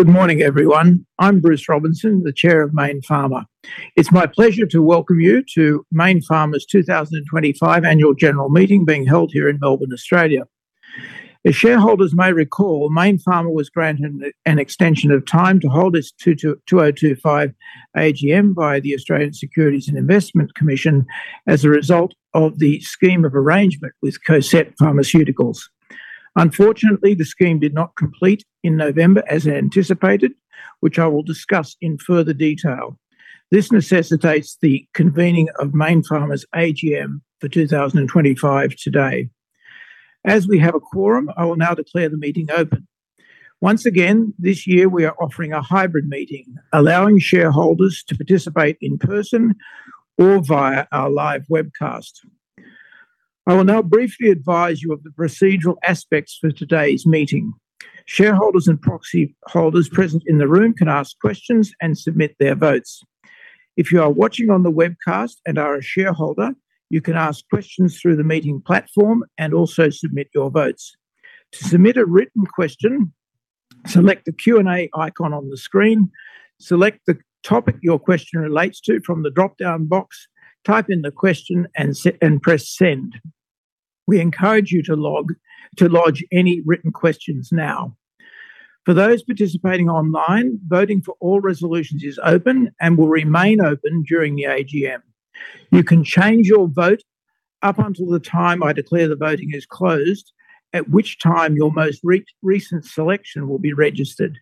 Good morning, everyone. I'm Bruce Robinson, the Chair of Mayne Pharma. It's my pleasure to welcome you to Mayne Pharma's 2025 Annual General Meeting, being held here in Melbourne, Australia. As shareholders may recall, Mayne Pharma was granted an extension of time to hold its 2025 AGM by the Australian Securities and Investments Commission as a result of the scheme of arrangement with Cosette Pharmaceuticals. Unfortunately, the scheme did not complete in November as anticipated, which I will discuss in further detail. This necessitates the convening of Mayne Pharma's AGM for 2025 today. As we have a quorum, I will now declare the meeting open. Once again, this year we are offering a hybrid meeting, allowing shareholders to participate in person or via our live webcast. I will now briefly advise you of the procedural aspects for today's meeting. Shareholders and proxy holders present in the room can ask questions and submit their votes. If you are watching on the webcast and are a shareholder, you can ask questions through the meeting platform and also submit your votes. To submit a written question, select the Q&A icon on the screen, select the topic your question relates to from the dropdown box, type in the question, and press Send. We encourage you to lodge any written questions now. For those participating online, voting for all resolutions is open and will remain open during the AGM. You can change your vote up until the time I declare the voting is closed, at which time your most recent selection will be registered.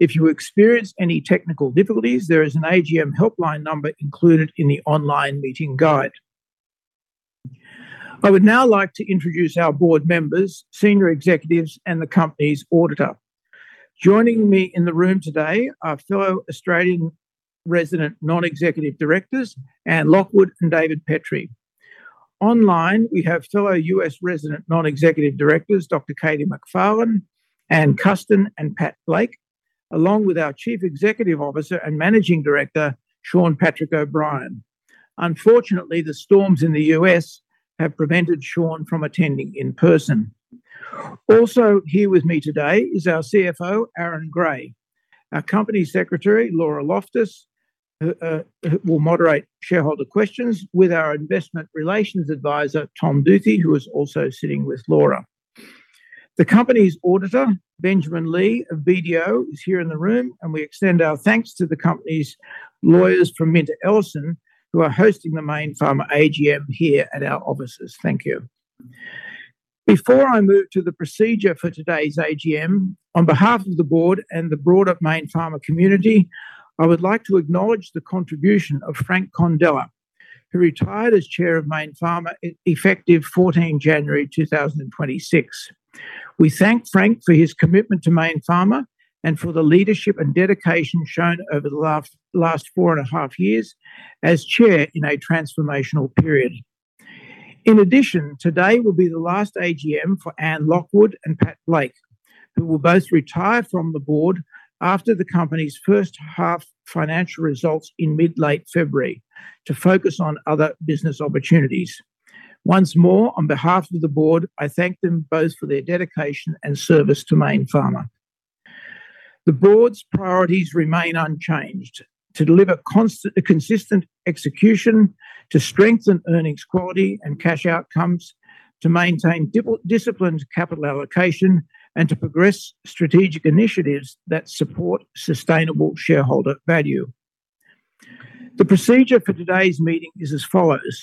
If you experience any technical difficulties, there is an AGM helpline number included in the online meeting guide. I would now like to introduce our Board Members, Senior Executives, and the company's Auditor. Joining me in the room today are fellow Australian resident Non-Executive Directors, Anne Lockwood and David Petrie. Online, we have fellow U.S. resident Non-Executive Directors, Dr. Kathryn MacFarlane, Ann Custin, and Patrick Blake, along with our Chief Executive Officer and Managing Director, Shawn Patrick O'Brien. Unfortunately, the storms in the U.S. have prevented Shawn from attending in person. Also here with me today is our CFO, Aaron Gray. Our Company Secretary, Laura Loftus, will moderate shareholder questions with our investor relations advisor, Tom Duthy, who is also sitting with Laura. The company's auditor, Benjamin Lee of BDO, is here in the room, and we extend our thanks to the company's lawyers from MinterEllison, who are hosting the Mayne Pharma AGM here at our offices. Thank you. Before I move to the procedure for today's AGM, on behalf of the Board and the broader Mayne Pharma community, I would like to acknowledge the contribution of Frank Condella, who retired as Chair of Mayne Pharma, effective January 14, 2026. We thank Frank for his commitment to Mayne Pharma and for the leadership and dedication shown over the last four and a half years as Chair in a transformational period. In addition, today will be the last AGM for Anne Lockwood and Pat Blake, who will both retire from the Board after the company's first half financial results in mid-late February to focus on other business opportunities. Once more, on behalf of the Board, I thank them both for their dedication and service to Mayne Pharma. The Board's priorities remain unchanged: to deliver constant, consistent execution, to strengthen earnings quality and cash outcomes, to maintain disciplined capital allocation, and to progress strategic initiatives that support sustainable shareholder value. The procedure for today's meeting is as follows: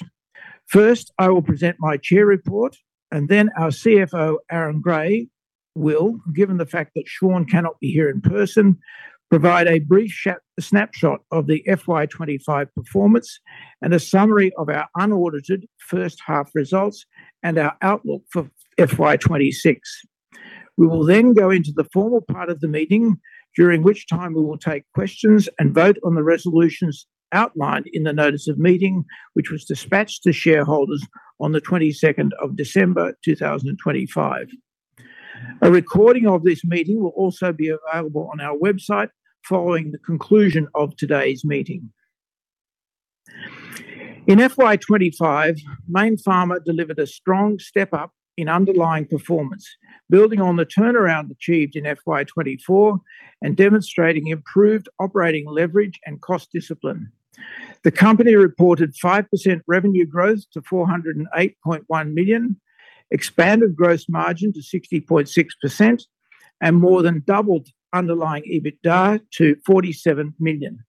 First, I will present my Chair report, and then our CFO, Aaron Gray, will, given the fact that Sean cannot be here in person, provide a brief snapshot of the FY 2025 performance and a summary of our unaudited first half results and our outlook for FY 2026. We will then go into the formal part of the meeting, during which time we will take questions and vote on the resolutions outlined in the notice of meeting, which was dispatched to shareholders on the 22nd of December 2025. A recording of this meeting will also be available on our website following the conclusion of today's meeting. In FY 2025, Mayne Pharma delivered a strong step-up in underlying performance, building on the turnaround achieved in FY 2024 and demonstrating improved operating leverage and cost discipline. The company reported 5% revenue growth to 408.1 million, expanded gross margin to 60.6%, and more than doubled underlying EBITDA to 47 million,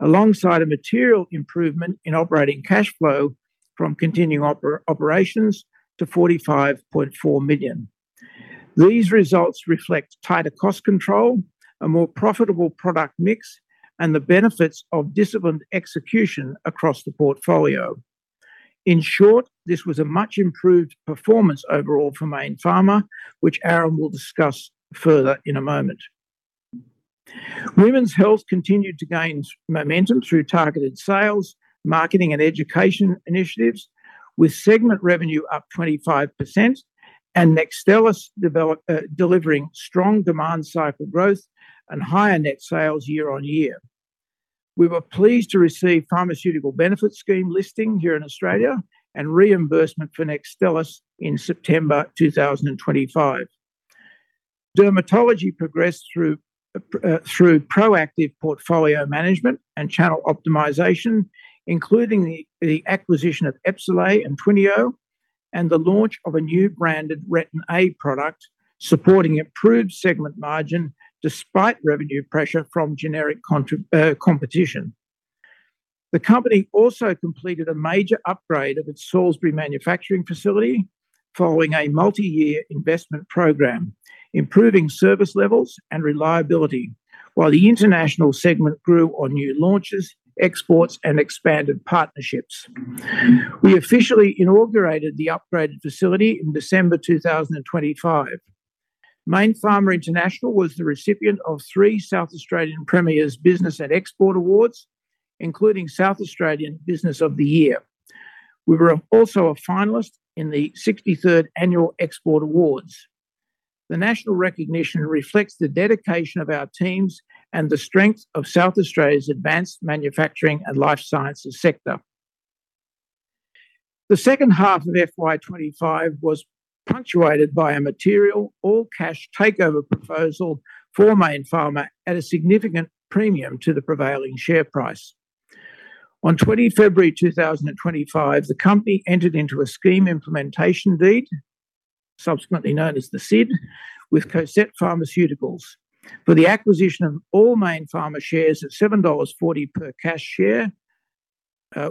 alongside a material improvement in operating cash flow from continuing operations to 45.4 million. These results reflect tighter cost control, a more profitable product mix, and the benefits of disciplined execution across the portfolio. In short, this was a much improved performance overall for Mayne Pharma, which Aaron will discuss further in a moment. Women's Health continued to gain momentum through targeted sales, marketing, and education initiatives, with segment revenue up 25% and NEXTSTELLIS delivering strong demand cycle growth and higher net sales year-on-year. We were pleased to receive Pharmaceutical Benefits Scheme listing here in Australia, and reimbursement for NEXTSTELLIS in September 2025. Dermatology progressed through proactive portfolio management and channel optimization, including the acquisition of EPSOLAY and TWYNEO, and the launch of a new branded Retin-A product, supporting improved segment margin despite revenue pressure from generic competition. The company also completed a major upgrade of its Salisbury manufacturing facility following a multi-year investment program, improving service levels and reliability, while the international segment grew on new launches, exports, and expanded partnerships. We officially inaugurated the upgraded facility in December 2025. Mayne Pharma International was the recipient of three South Australian Premiers' Business and Export Awards, including South Australian Business of the Year. We were also a finalist in the63rd Annual Export Awards. The national recognition reflects the dedication of our teams and the strength of South Australia's advanced manufacturing and life sciences sector. The second half of FY 2025 was punctuated by a material all-cash takeover proposal for Mayne Pharma at a significant premium to the prevailing share price. On 20 February 2025, the company entered into a scheme implementation deed, subsequently known as the SID, with Cosette Pharmaceuticals, for the acquisition of all Mayne Pharma shares at 7.40 dollars per cash share.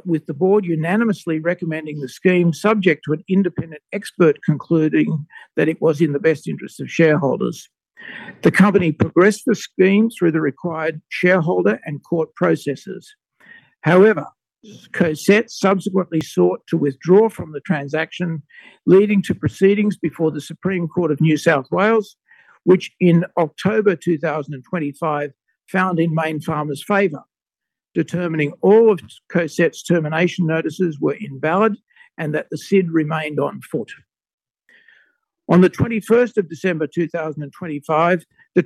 With the Board unanimously recommending the scheme, subject to an independent expert concluding that it was in the best interest of shareholders. The company progressed the scheme through the required shareholder and court processes. However, Cosette subsequently sought to withdraw from the transaction, leading to proceedings before the Supreme Court of New South Wales, which in October 2025, found in Mayne Pharma's favor, determining all of Cosette's termination notices were invalid and that the SID remained on foot. On the 21st of December 2025, the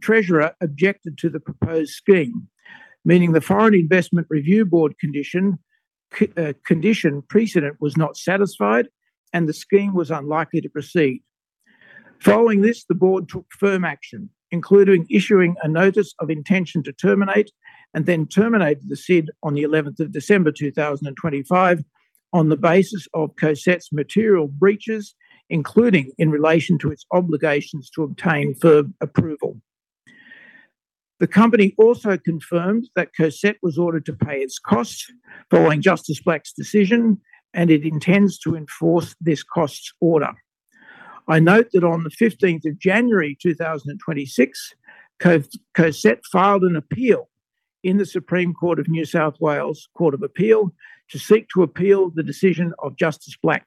Treasurer objected to the proposed scheme, meaning the Foreign Investment Review Board condition precedent was not satisfied, and the scheme was unlikely to proceed. Following this, the Board took firm action, including issuing a notice of intention to terminate, and then terminated the SID on the 11th of December 2025, on the basis of Cosette's material breaches, including in relation to its obligations to obtain FIRB approval. The company also confirmed that Cosette was ordered to pay its costs following Justice Black's decision, and it intends to enforce this costs order. I note that on the fifteenth of January 2026, Cosette filed an appeal in the Supreme Court of New South Wales Court of Appeal, to seek to appeal the decision of Justice Black.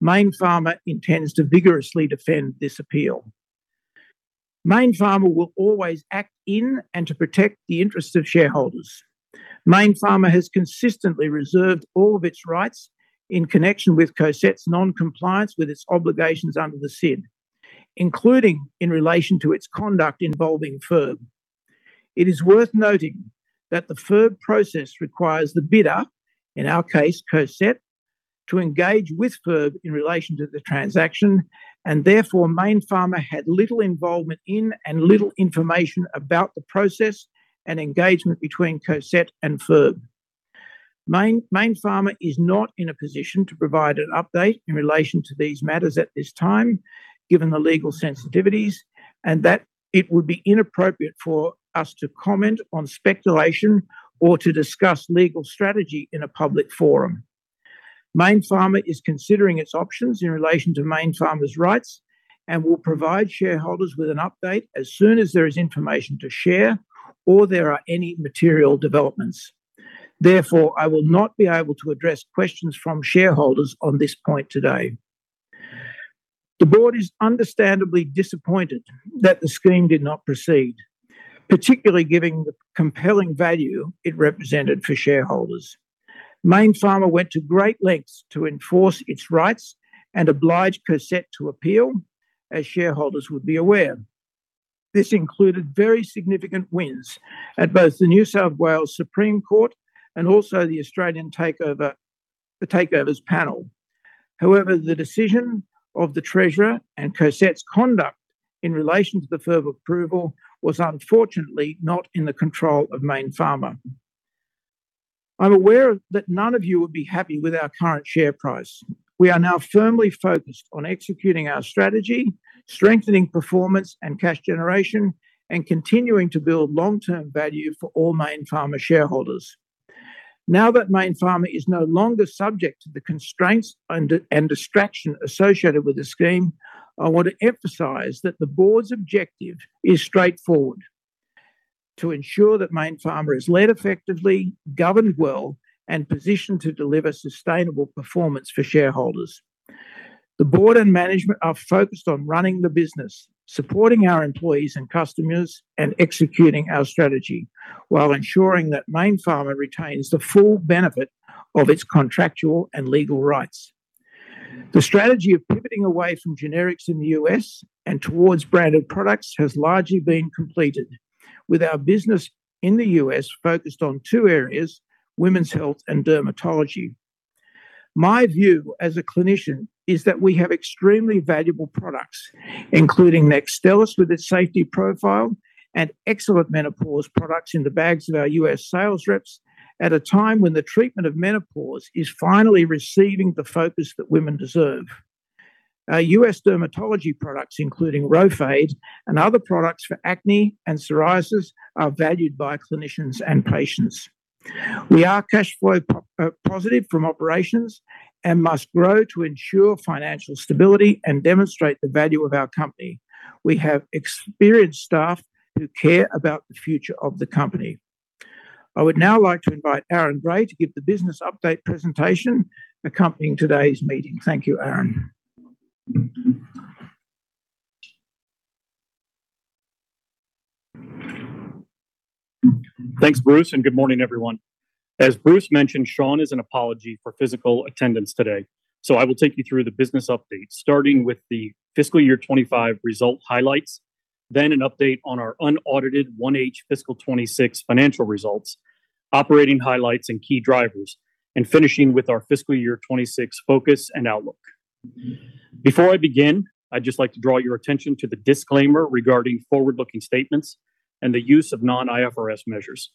Mayne Pharma intends to vigorously defend this appeal. Mayne Pharma will always act in and to protect the interests of shareholders. Mayne Pharma has consistently reserved all of its rights in connection with Cosette's non-compliance with its obligations under the SID, including in relation to its conduct involving FIRB. It is worth noting that the FIRB process requires the bidder, in our case, Cosette, to engage with FIRB in relation to the transaction, and therefore, Mayne Pharma had little involvement in and little information about the process and engagement between Cosette and FIRB. Mayne Pharma is not in a position to provide an update in relation to these matters at this time, given the legal sensitivities, and that it would be inappropriate for us to comment on speculation or to discuss legal strategy in a public forum. Mayne Pharma is considering its options in relation to Mayne Pharma's rights, and will provide shareholders with an update as soon as there is information to share, or there are any material developments. Therefore, I will not be able to address questions from shareholders on this point today. The Board is understandably disappointed that the scheme did not proceed, particularly given the compelling value it represented for shareholders. Mayne Pharma went to great lengths to enforce its rights and oblige Cosette to appeal, as shareholders would be aware. This included very significant wins at both the New South Wales Supreme Court and also the Australian Takeovers Panel. However, the decision of the Treasurer and Cosette's conduct in relation to the FIRB approval was unfortunately not in the control of Mayne Pharma. I'm aware that none of you would be happy with our current share price. We are now firmly focused on executing our strategy, strengthening performance and cash generation, and continuing to build long-term value for all Mayne Pharma shareholders. Now that Mayne Pharma is no longer subject to the constraints and distraction associated with the scheme, I want to emphasize that the Board's objective is straightforward: to ensure that Mayne Pharma is led effectively, governed well, and positioned to deliver sustainable performance for shareholders. The Board and management are focused on running the business, supporting our employees and customers, and executing our strategy, while ensuring that Mayne Pharma retains the full benefit of its contractual and legal rights....The strategy of pivoting away from generics in the U.S. and towards branded products has largely been completed, with our business in the U.S. focused on two areas: women's health and dermatology. My view as a clinician is that we have extremely valuable products, including NEXTSTELLIS, with its safety profile, and excellent menopause products in the bags of our U.S. sales reps, at a time when the treatment of menopause is finally receiving the focus that women deserve. Our U.S. dermatology products, including RHOFADE and other products for acne and psoriasis, are valued by clinicians and patients. We are cash flow positive from operations and must grow to ensure financial stability and demonstrate the value of our company. We have experienced staff who care about the future of the company. I would now like to invite Aaron Gray to give the business update presentation accompanying today's meeting. Thank you, Aaron. Thanks, Bruce, and good morning, everyone. As Bruce mentioned, Shawn is an apology for physical attendance today, so I will take you through the business update, starting with the fiscal year 2025 result highlights, then an update on our unaudited 1H fiscal 2026 financial results, operating highlights and key drivers, and finishing with our fiscal year 2026 focus and outlook. Before I begin, I'd just like to draw your attention to the disclaimer regarding forward-looking statements and the use of non-IFRS measures.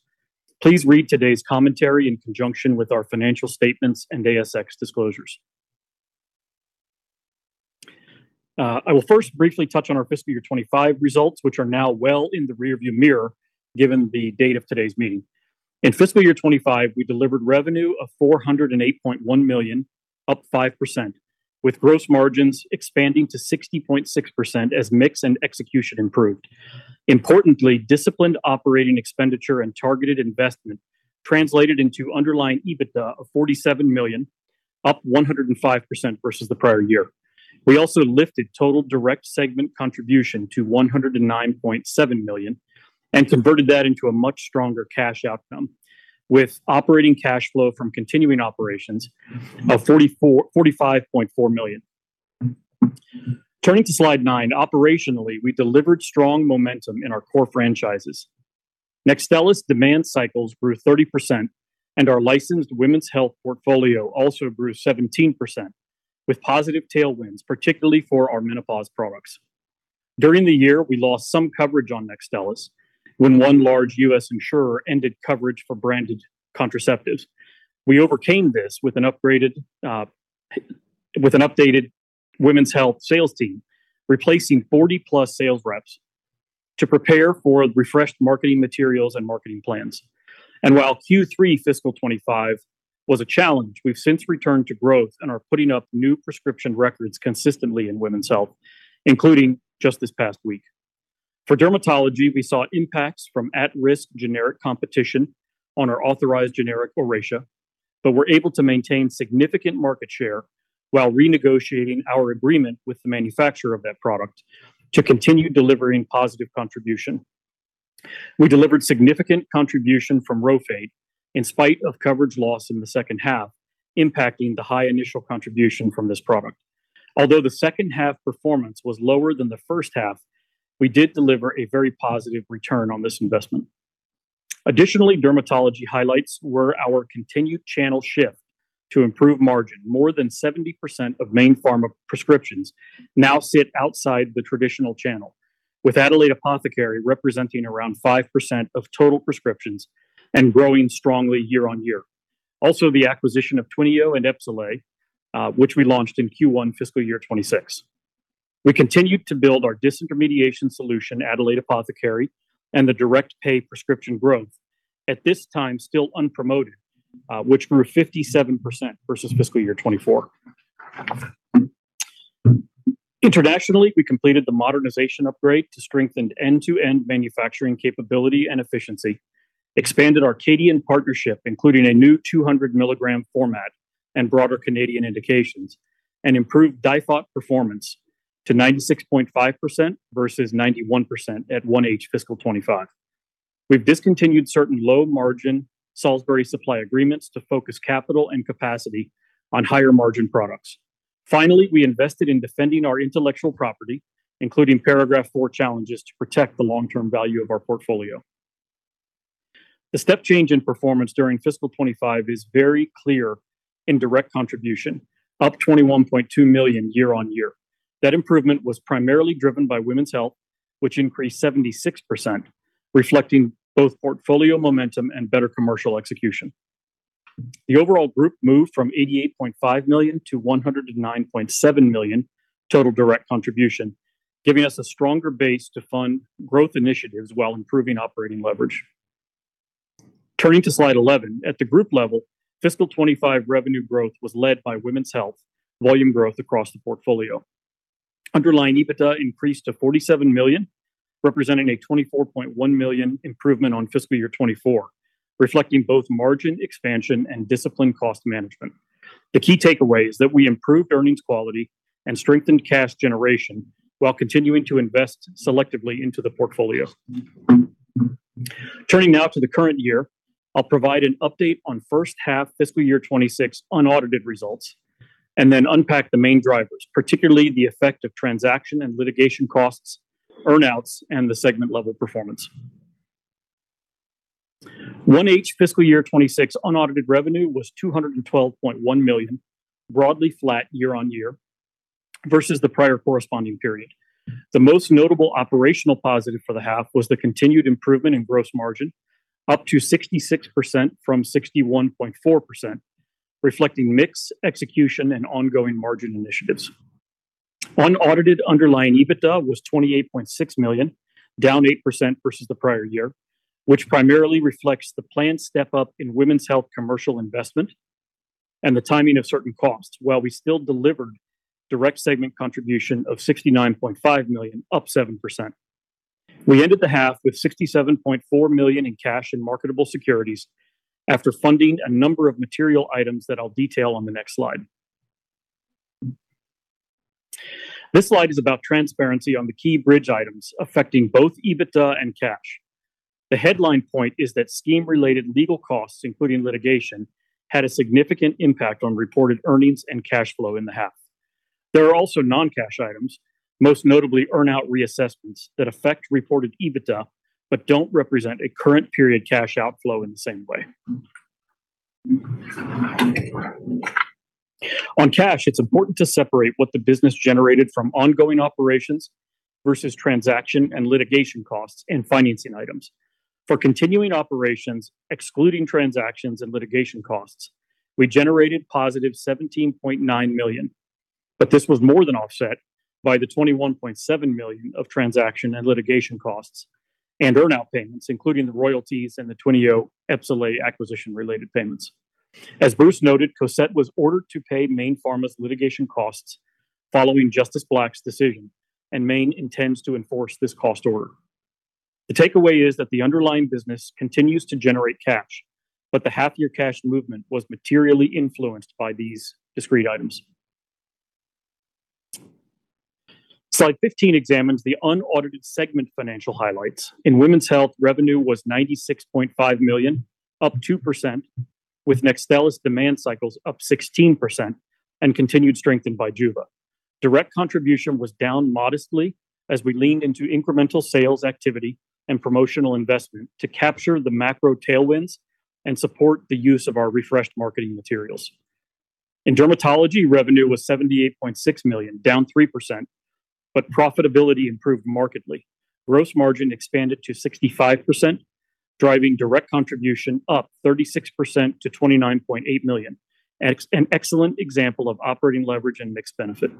Please read today's commentary in conjunction with our financial statements and ASX disclosures. I will first briefly touch on our fiscal year 2025 results, which are now well in the rearview mirror, given the date of today's meeting. In fiscal year 2025, we delivered revenue of 408.1 million, up 5%, with gross margins expanding to 60.6% as mix and execution improved. Importantly, disciplined operating expenditure and targeted investment translated into underlying EBITDA of 47 million, up 105% versus the prior year. We also lifted total direct segment contribution to 109.7 million and converted that into a much stronger cash outcome, with operating cash flow from continuing operations of 45.4 million. Turning to slide nine, operationally, we delivered strong momentum in our core franchises. NEXTSTELLIS demand cycles grew 30%, and our licensed women's health portfolio also grew 17%, with positive tailwinds, particularly for our menopause products. During the year, we lost some coverage on NEXTSTELLIS, when one large U.S. insurer ended coverage for branded contraceptives. We overcame this with an upgraded, with an updated women's health sales team, replacing 40+ sales reps to prepare for refreshed marketing materials and marketing plans. While Q3 fiscal 2025 was a challenge, we've since returned to growth and are putting up new prescription records consistently in women's health, including just this past week. For dermatology, we saw impacts from at-risk generic competition on our authorized generic Oratia, but we're able to maintain significant market share while renegotiating our agreement with the manufacturer of that product to continue delivering positive contribution. We delivered significant contribution from RHOFADE, in spite of coverage loss in the second half, impacting the high initial contribution from this product. Although the second half performance was lower than the first half, we did deliver a very positive return on this investment. Additionally, dermatology highlights were our continued channel shift to improve margin. More than 70% of Mayne Pharma prescriptions now sit outside the traditional channel, with Adelaide Apothecary representing around 5% of total prescriptions and growing strongly year-on-year. Also, the acquisition of TWYNEO and EPSOLAY, which we launched in Q1, fiscal year 2026. We continued to build our disintermediation solution, Adelaide Apothecary, and the direct pay prescription growth, at this time, still unpromoted, which grew 57% versus fiscal year 2024. Internationally, we completed the modernization upgrade to strengthen end-to-end manufacturing capability and efficiency, expanded our Canadian partnership, including a new 200-milligram format and broader Canadian indications, and improved DIFOT performance to 96.5% versus 91% at 1H fiscal 2025. We've discontinued certain low-margin Salisbury supply agreements to focus capital and capacity on higher-margin products. Finally, we invested in defending our intellectual property, including Paragraph IV challenges, to protect the long-term value of our portfolio. The step change in performance during fiscal 2025 is very clear in direct contribution, up 21.2 million year-on-year. That improvement was primarily driven by women's health, which increased 76%, reflecting both portfolio momentum and better commercial execution. The overall group moved from 88.5 million to 109.7 million total direct contribution, giving us a stronger base to fund growth initiatives while improving operating leverage. Turning to slide 11, at the group level, fiscal 2025 revenue growth was led by women's health, volume growth across the portfolio. Underlying EBITDA increased to 47 million, representing a 24.1 million improvement on fiscal year 2024, reflecting both margin expansion and disciplined cost management. The key takeaway is that we improved earnings quality and strengthened cash generation while continuing to invest selectively into the portfolio. Turning now to the current year. I'll provide an update on first half fiscal year 2026 unaudited results, and then unpack the main drivers, particularly the effect of transaction and litigation costs, earn-outs, and the segment level performance. 1H fiscal year 2026 unaudited revenue was 212.1 million, broadly flat year-on-year, versus the prior corresponding period. The most notable operational positive for the half was the continued improvement in gross margin, up to 66% from 61.4%, reflecting mix, execution, and ongoing margin initiatives. Unaudited underlying EBITDA was 28.6 million, down 8% versus the prior year, which primarily reflects the planned step up in women's health commercial investment and the timing of certain costs, while we still delivered direct segment contribution of 69.5 million, up 7%. We ended the half with 67.4 million in cash and marketable securities, after funding a number of material items that I'll detail on the next slide. This slide is about transparency on the key bridge items affecting both EBITDA and cash. The headline point is that scheme-related legal costs, including litigation, had a significant impact on reported earnings and cash flow in the half. There are also non-cash items, most notably earn-out reassessments, that affect reported EBITDA, but don't represent a current period cash outflow in the same way. On cash, it's important to separate what the business generated from ongoing operations versus transaction and litigation costs and financing items. For continuing operations, excluding transactions and litigation costs, we generated +17.9 million, but this was more than offset by the 21.7 million of transaction and litigation costs and earn-out payments, including the royalties and the TWYNEO EPSOLAY acquisition-related payments. As Bruce noted, Cosette was ordered to pay Mayne Pharma's litigation costs following Justice Black's decision, and Mayne intends to enforce this cost order. The takeaway is that the underlying business continues to generate cash, but the half-year cash movement was materially influenced by these discrete items. Slide 15 examines the unaudited segment financial highlights. In women's health, revenue was 96.5 million, up 2%, with NEXTSTELLIS demand cycles up 16% and continued strengthened BIJUVA. Direct contribution was down modestly as we leaned into incremental sales activity and promotional investment to capture the macro tailwinds and support the use of our refreshed marketing materials. In dermatology, revenue was 78.6 million, down 3%, but profitability improved markedly. Gross margin expanded to 65%, driving direct contribution up 36% to 29.8 million. An excellent example of operating leverage and mixed benefit.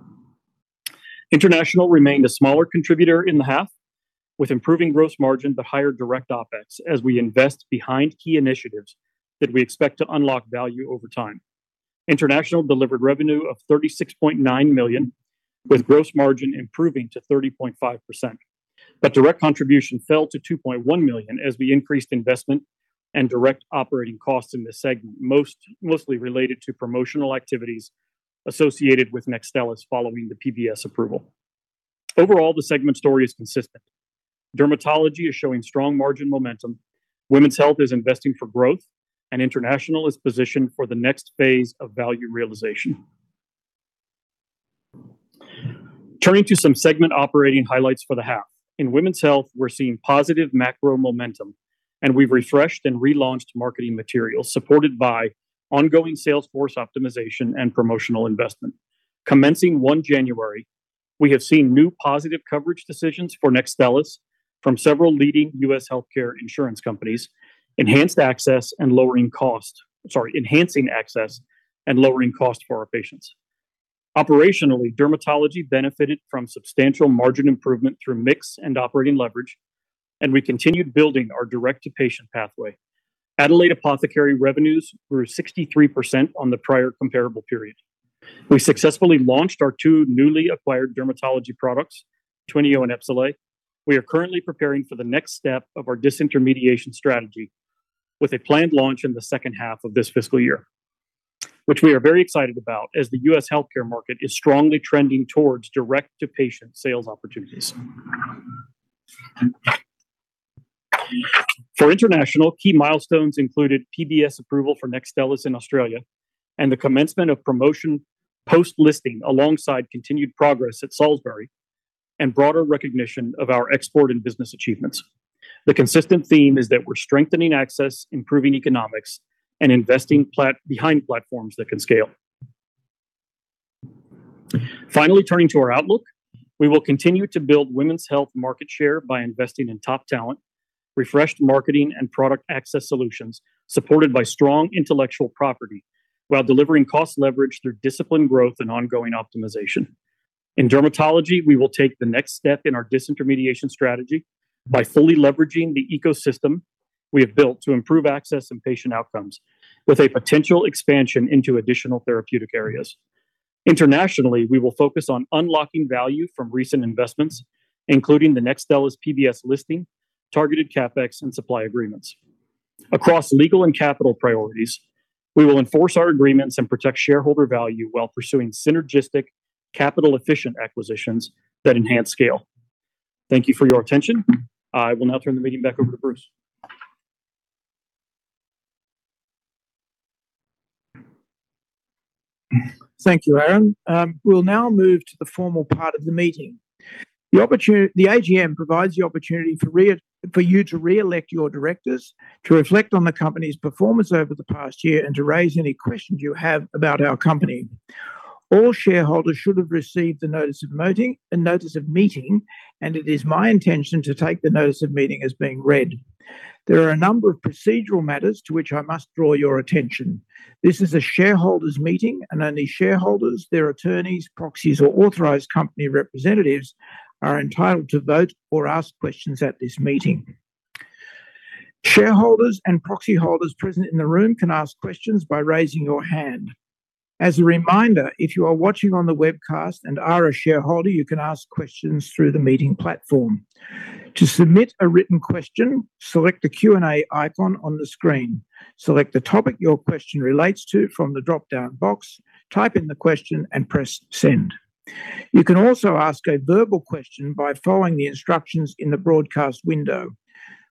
International remained a smaller contributor in the half, with improving gross margin, but higher direct OpEx, as we invest behind key initiatives that we expect to unlock value over time. International delivered revenue of 36.9 million, with gross margin improving to 30.5%. Direct contribution fell to 2.1 million as we increased investment and direct operating costs in this segment, mostly related to promotional activities associated with NEXTSTELLIS following the PBS approval. Overall, the segment story is consistent. Dermatology is showing strong margin momentum, women's health is investing for growth, and international is positioned for the next phase of value realization. Turning to some segment operating highlights for the half. In women's health, we're seeing positive macro momentum, and we've refreshed and relaunched marketing materials, supported by ongoing sales force optimization and promotional investment. Commencing 1 January, we have seen new positive coverage decisions for NEXTSTELLIS from several leading U.S. healthcare insurance companies, enhanced access and lowering cost. Sorry, enhancing access and lowering cost for our patients. Operationally, dermatology benefited from substantial margin improvement through mix and operating leverage, and we continued building our direct-to-patient pathway. Adelaide Apothecary revenues were 63% on the prior comparable period. We successfully launched our two newly acquired dermatology products, TWYNEO and EPSOLAY. We are currently preparing for the next step of our disintermediation strategy with a planned launch in the second half of this fiscal year, which we are very excited about, as the U.S. healthcare market is strongly trending towards direct-to-patient sales opportunities. For international, key milestones included PBS approval for NEXTSTELLIS in Australia and the commencement of promotion post-listing, alongside continued progress at Salisbury and broader recognition of our export and business achievements. The consistent theme is that we're strengthening access, improving economics, and investing in platforms that can scale. Finally, turning to our outlook, we will continue to build women's health market share by investing in top talent, refreshed marketing and product access solutions, supported by strong intellectual property, while delivering cost leverage through disciplined growth and ongoing optimization. In dermatology, we will take the next step in our disintermediation strategy by fully leveraging the ecosystem we have built to improve access and patient outcomes, with a potential expansion into additional therapeutic areas. Internationally, we will focus on unlocking value from recent investments, including the NEXTSTELLIS PBS listing, targeted CapEx, and supply agreements. Across legal and capital priorities, we will enforce our agreements and protect shareholder value while pursuing synergistic, capital-efficient acquisitions that enhance scale. Thank you for your attention. I will now turn the meeting back over to Bruce. Thank you, Aaron. We'll now move to the formal part of the meeting. The AGM provides the opportunity for you to re-elect your Directors, to reflect on the company's performance over the past year, and to raise any questions you have about our company. All shareholders should have received a notice of meeting, a notice of meeting, and it is my intention to take the notice of meeting as being read. There are a number of procedural matters to which I must draw your attention. This is a shareholders' meeting, and only shareholders, their attorneys, proxies, or authorized company representatives are entitled to vote or ask questions at this meeting. Shareholders and proxy holders present in the room can ask questions by raising your hand. As a reminder, if you are watching on the webcast and are a shareholder, you can ask questions through the meeting platform. To submit a written question, select the Q&A icon on the screen, select the topic your question relates to from the drop-down box, type in the question, and press Send. You can also ask a verbal question by following the instructions in the broadcast window.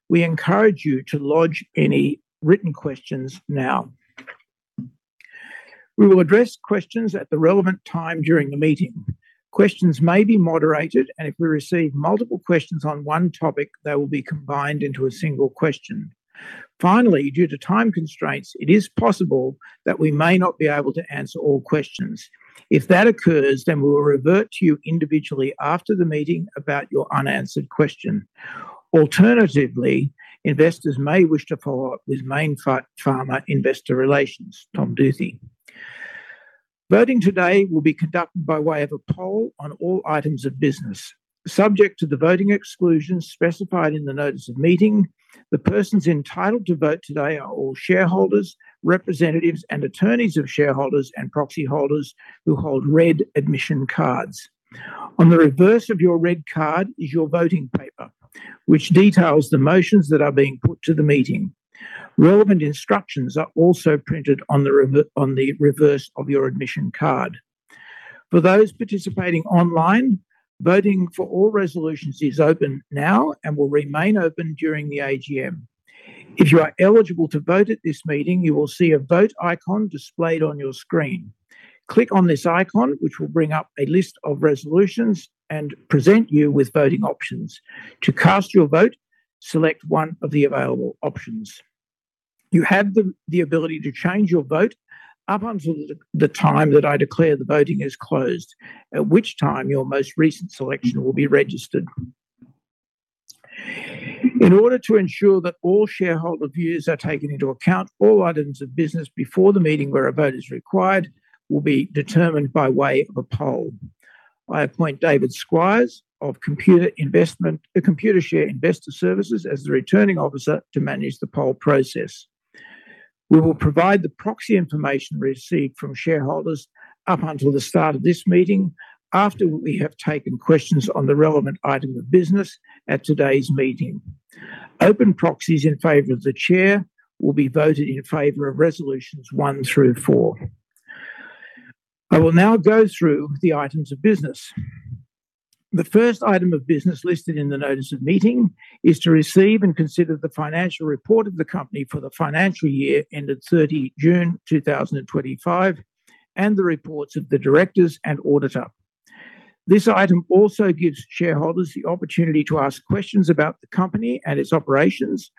We encourage you to lodge any written questions now. We will address questions at the relevant time during the meeting. Questions may be moderated, and if we receive multiple questions on one topic, they will be combined into a single question. Finally, due to time constraints, it is possible that we may not be able to answer all questions. If that occurs, then we will revert to you individually after the meeting about your unanswered question. Alternatively, investors may wish to follow up with Mayne Pharma Investor Relations, Tom Duthy. Voting today will be conducted by way of a poll on all items of business. Subject to the voting exclusions specified in the notice of meeting, the persons entitled to vote today are all shareholders, representatives, and attorneys of shareholders and proxy holders who hold red admission cards. On the reverse of your red card is your voting paper, which details the motions that are being put to the meeting. Relevant instructions are also printed on the reverse of your admission card. For those participating online, voting for all resolutions is open now and will remain open during the AGM. If you are eligible to vote at this meeting, you will see a vote icon displayed on your screen. Click on this icon, which will bring up a list of resolutions and present you with voting options. To cast your vote, select one of the available options. You have the ability to change your vote up until the time that I declare the voting is closed, at which time your most recent selection will be registered. In order to ensure that all shareholder views are taken into account, all items of business before the meeting where a vote is required will be determined by way of a poll. I appoint David Squires of Computershare Investor Services as the Returning Officer to manage the poll process. We will provide the proxy information received from shareholders up until the start of this meeting, after we have taken questions on the relevant item of business at today's meeting. Open proxies in favor of the Chair will be voted in favor of Resolutions 1 through 4. I will now go through the items of business. The first item of business listed in the notice of meeting is to receive and consider the financial report of the company for the financial year ended 30 June 2025, and the reports of the directors and auditor. This item also gives shareholders the opportunity to ask questions about the company and its operations,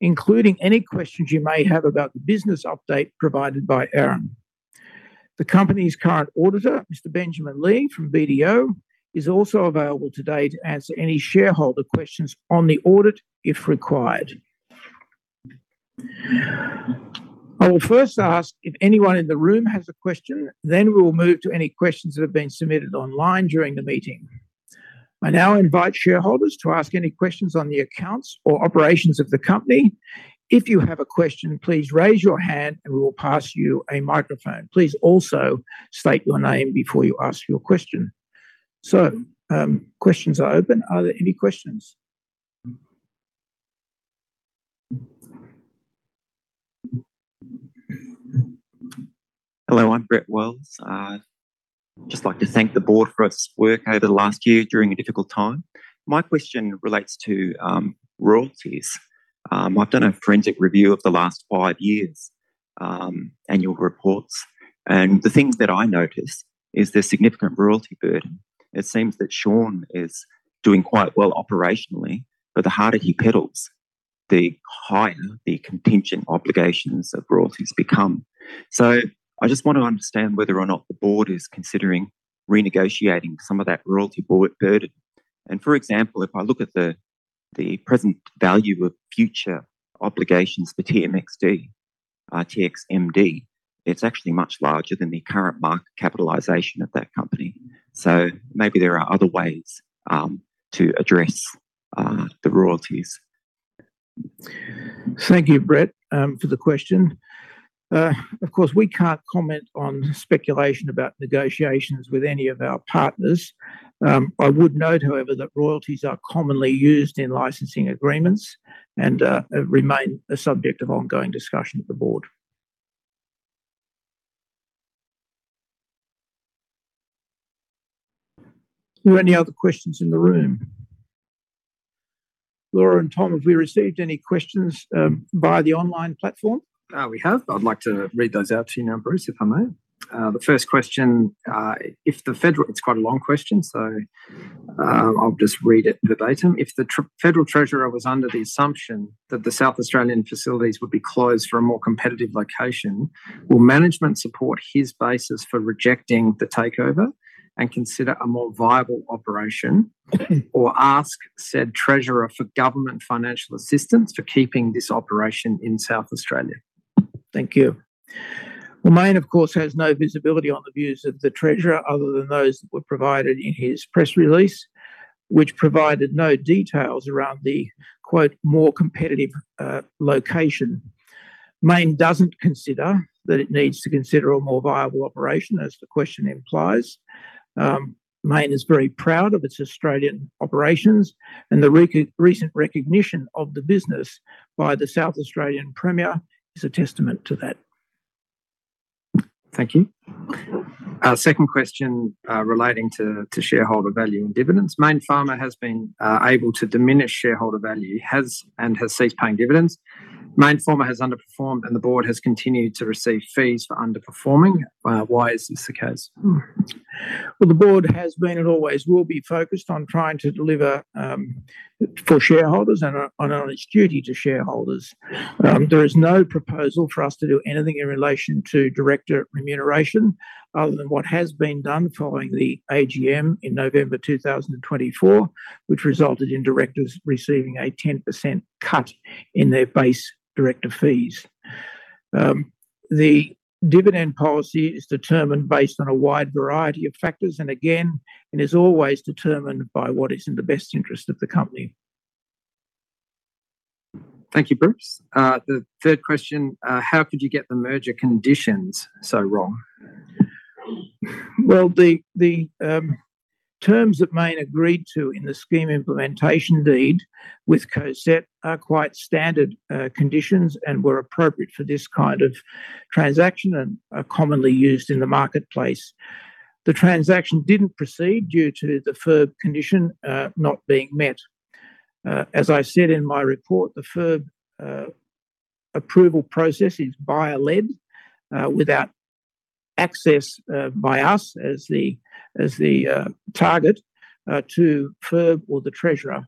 including any questions you may have about the business update provided by Aaron. The company's current auditor, Mr. Benjamin Lee from BDO, is also available today to answer any shareholder questions on the audit, if required. I will first ask if anyone in the room has a question, then we will move to any questions that have been submitted online during the meeting. I now invite shareholders to ask any questions on the accounts or operations of the company. If you have a question, please raise your hand, and we will pass you a microphone. Please also state your name before you ask your question. So, questions are open. Are there any questions? Hello, I'm Brett Wells. Just like to thank the Board for its work over the last year during a difficult time. My question relates to royalties. I've done a forensic review of the last five years' annual reports, and the things that I noticed is the significant royalty burden. It seems that Shawn is doing quite well operationally, but the harder he pedals, the higher the contingent obligations of royalties become. So I just want to understand whether or not the Board is considering renegotiating some of that royalty Board burden. And for example, if I look at the present value of future obligations for TXMD, it's actually much larger than the current market capitalization of that company. So maybe there are other ways to address the royalties. Thank you, Brett, for the question. Of course, we can't comment on speculation about negotiations with any of our partners. I would note, however, that royalties are commonly used in licensing agreements and remain a subject of ongoing discussion at the Board. Are there any other questions in the room? Laura and Tom, have we received any questions via the online platform? I'd like to read those out to you now, Bruce, if I may. The first question—it's quite a long question, so I'll just read it verbatim. "If the Federal Treasurer was under the assumption that the South Australian facilities would be closed for a more competitive location, will management support his basis for rejecting the takeover and consider a more viable operation, or ask said Treasurer for government financial assistance for keeping this operation in South Australia? Thank you. Well, Mayne, of course, has no visibility on the views of the Treasurer, other than those that were provided in his press release, which provided no details around the, quote, "more competitive," location. Mayne doesn't consider that it needs to consider a more viable operation, as the question implies. Mayne is very proud of its Australian operations, and the recent recognition of the business by the South Australian Premier is a testament to that. Thank you. Second question, relating to shareholder value and dividends: "Mayne Pharma has been able to diminish shareholder value and has ceased paying dividends. Mayne Pharma has underperformed, and the Board has continued to receive fees for underperforming. Why is this the case? Well, the Board has been, and always will be, focused on trying to deliver for shareholders and on its duty to shareholders. There is no proposal for us to do anything in relation to director remuneration, other than what has been done following the AGM in November 2024, which resulted in directors receiving a 10% cut in their base director fees. The dividend policy is determined based on a wide variety of factors, and again, it is always determined by what is in the best interest of the company. Thank you, Bruce. The third question: "How could you get the merger conditions so wrong? Well, the terms that Mayne agreed to in the scheme implementation deed with Cosette are quite standard conditions and were appropriate for this kind of transaction and are commonly used in the marketplace. The transaction didn't proceed due to the FIRB condition not being met. As I said in my report, the FIRB approval process is buyer-led without access by us as the target to FIRB or the Treasurer.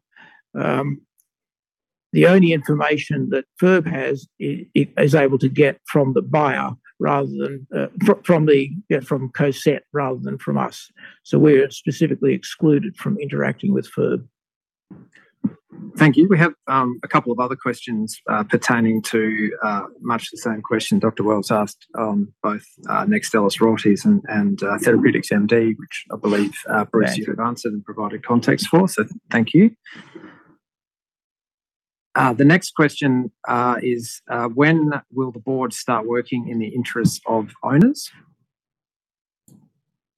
The only information that FIRB has, it is able to get from the buyer rather than from Cosette rather than from us. So we're specifically excluded from interacting with FIRB. Thank you. We have a couple of other questions pertaining to much the same question Dr. Wells asked on both NEXTSTELLIS royalties and TherapeuticsMD, which I believe Bruce. Yeah. You have answered and provided context for, so thank you. The next question is: When will the Board start working in the interests of owners?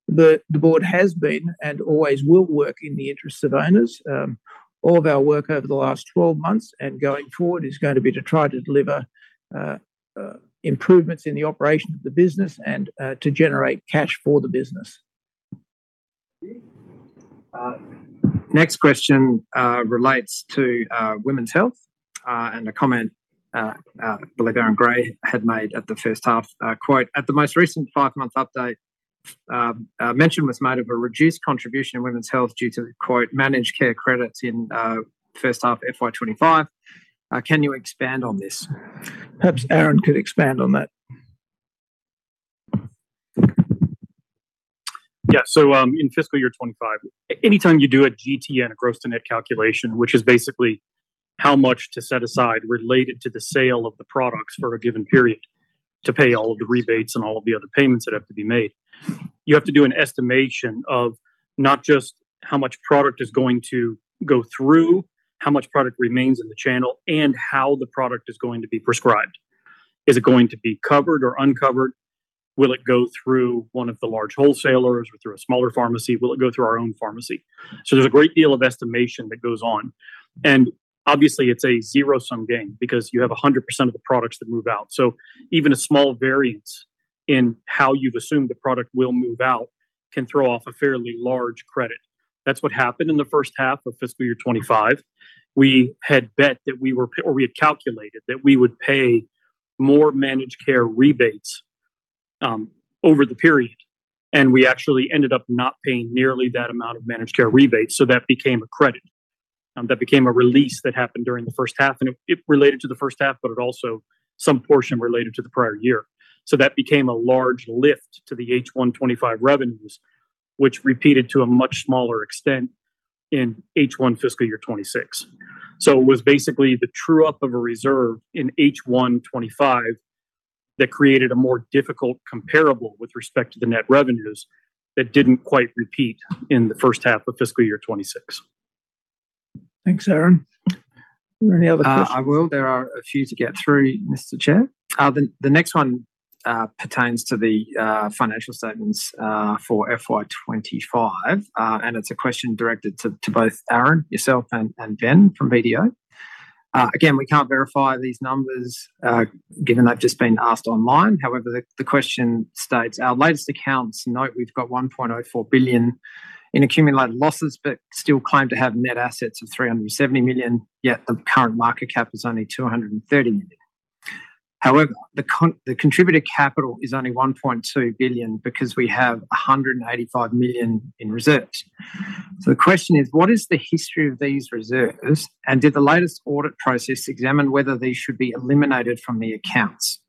The Board has been, and always will, work in the interests of owners. All of our work over the last 12 months and going forward is going to be to try to deliver improvements in the operation of the business and to generate cash for the business. Next question relates to women's health and a comment I believe Aaron Gray had made at the first half. Quote, "At the most recent five-month update, mention was made of a reduced contribution in women's health due to, quote, 'managed care credits' in first half FY 2025." Can you expand on this? Perhaps Aaron could expand on that. Yeah, so, in fiscal year 2025, anytime you do a GTN, a gross to net calculation, which is basically how much to set aside related to the sale of the products for a given period, to pay all of the rebates and all of the other payments that have to be made, you have to do an estimation of not just how much product is going to go through, how much product remains in the channel, and how the product is going to be prescribed. Is it going to be covered or uncovered? Will it go through one of the large wholesalers or through a smaller pharmacy? Will it go through our own pharmacy? So there's a great deal of estimation that goes on, and obviously, it's a zero-sum game because you have 100% of the products that move out. So even a small variance in how you've assumed the product will move out can throw off a fairly large credit. That's what happened in the first half of fiscal year 2025. We had calculated that we would pay more managed care rebates over the period, and we actually ended up not paying nearly that amount of managed care rebates, so that became a credit. That became a release that happened during the first half, and it related to the first half, but it also, some portion related to the prior year. So that became a large lift to the H1 2025 revenues, which repeated to a much smaller extent in H1 fiscal year 2026. So it was basically the true-up of a reserve in H1 2025 that created a more difficult comparable with respect to the net revenues that didn't quite repeat in the first half of fiscal year 2026. Thanks, Aaron. Are there any other questions? I will. There are a few to get through, Mr. Chair. The next one pertains to the financial statements for FY 2025. And it's a question directed to both Aaron, yourself, and Ben from BDO. Again, we can't verify these numbers, given they've just been asked online. However, the question states, "Our latest accounts note we've got 1.04 billion in accumulated losses, but still claim to have net assets of 370 million, yet the current market cap is only 230 million. However, the contributed capital is only 1.2 billion because we have 185 million in reserves." So the question is: what is the history of these reserves, and did the latest audit process examine whether these should be eliminated from the accounts?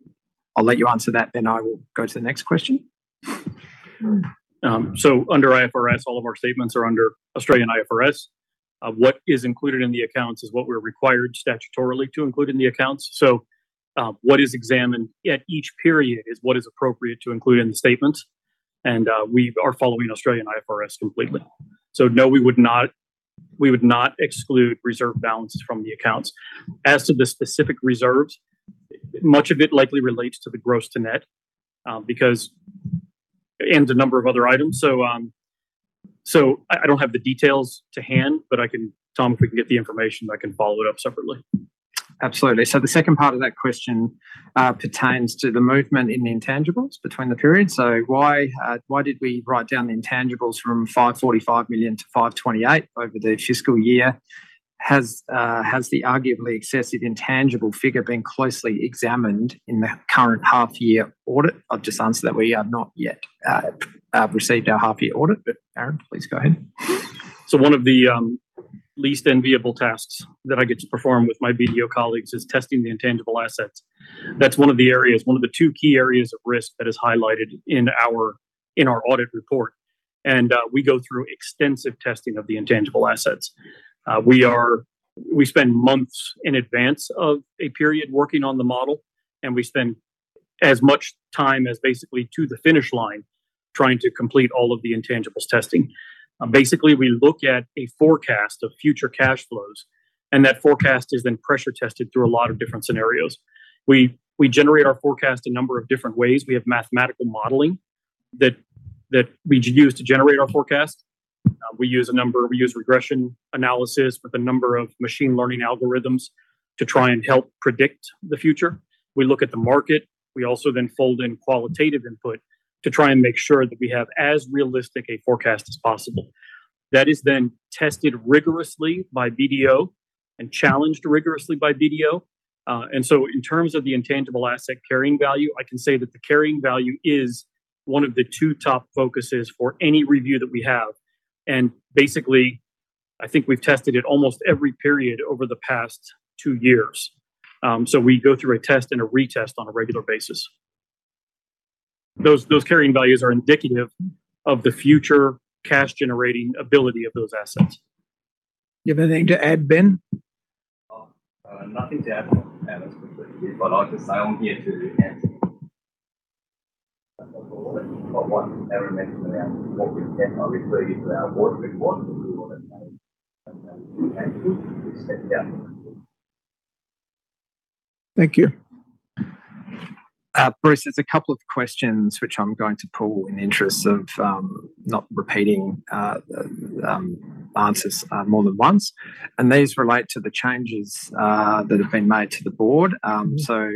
I'll let you answer that, then I will go to the next question. So under IFRS, all of our statements are under Australian IFRS. What is included in the accounts is what we're required statutorily to include in the accounts. So, what is examined at each period is what is appropriate to include in the statements, and we are following Australian IFRS completely. So no, we would not, we would not exclude reserve balances from the accounts. As to the specific reserves, much of it likely relates to the Gross to Net, because and a number of other items. So, so I, I don't have the details to hand, but I can- Tom, if we can get the information, I can follow it up separately. Absolutely. So the second part of that question pertains to the movement in the intangibles between the periods. So why did we write down the intangibles from 545 million to 528 million over the fiscal year? Has the arguably excessive intangible figure been closely examined in the current half-year audit? I've just answered that. We have not yet received our half-year audit, but Aaron, please go ahead. So one of the least enviable tasks that I get to perform with my BDO colleagues is testing the intangible assets. That's one of the areas, one of the two key areas of risk that is highlighted in our audit report, and we go through extensive testing of the intangible assets. We spend months in advance of a period working on the model, and we spend as much time as basically to the finish line trying to complete all of the intangibles testing. Basically, we look at a forecast of future cash flows, and that forecast is then pressure tested through a lot of different scenarios. We generate our forecast a number of different ways. We have mathematical modeling that we use to generate our forecast. We use a number, we use regression analysis with a number of machine learning algorithms to try and help predict the future. We look at the market. We also then fold in qualitative input to try and make sure that we have as realistic a forecast as possible. That is then tested rigorously by BDO and challenged rigorously by BDO. And so in terms of the intangible asset carrying value, I can say that the carrying value is one of the two top focuses for any review that we have, and basically, I think we've tested it almost every period over the past two years. So we go through a test and a retest on a regular basis. Those, those carrying values are indicative of the future cash-generating ability of those assets. You have anything to add, Ben? Nothing to add, Aaron, specifically, but I'll just.. I want here to enhance. But what Aaron mentioned about what we can refer to our Board, we want to, we want to make. Thank you. Bruce, there's a couple of questions which I'm going to pull in the interest of not repeating answers more than once, and these relate to the changes that have been made to the Board. So,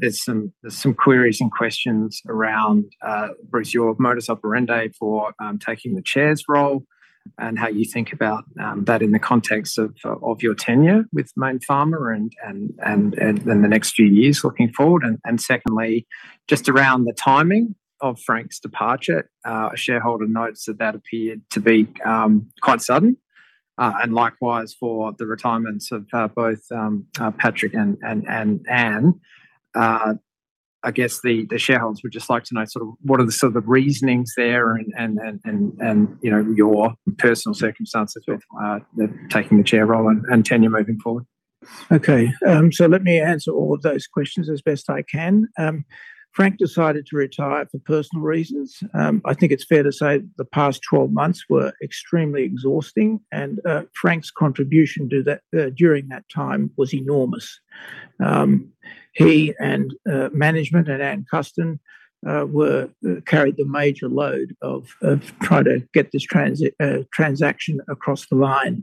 there's some queries and questions around, Bruce, your modus operandi for taking the Chair's role and how you think about that in the context of your tenure with Mayne Pharma and then the next few years looking forward. And secondly, just around the timing of Frank's departure, a shareholder notes that that appeared to be quite sudden and likewise for the retirements of both Patrick and Anne. I guess the shareholders would just like to know sort of what are the sort of reasonings there and, you know, your personal circumstances with taking the chair role and tenure moving forward? Okay, so let me answer all of those questions as best I can. Frank decided to retire for personal reasons. I think it's fair to say the past 12 months were extremely exhausting, and Frank's contribution to that during that time was enormous. He and management and Ann Custin were carried the major load of trying to get this transaction across the line.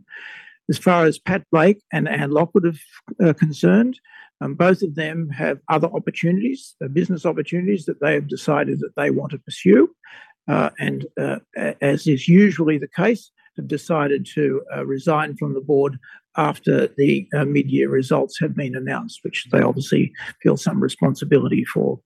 As far as Pat Blake and Anne Lockwood are concerned, both of them have other opportunities, business opportunities that they have decided that they want to pursue. As is usually the case, have decided to resign from the Board after the mid-year results have been announced, which they obviously feel some responsibility for.